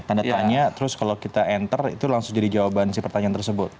tanda tanya terus kalau kita enter itu langsung jadi jawaban si pertanyaan tersebut